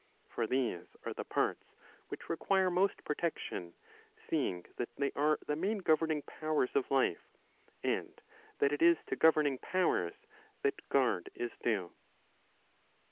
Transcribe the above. For these are the parts which require most protection, seeing that they are the main governing powers of life,^ and that it is to governing powers that guard is due.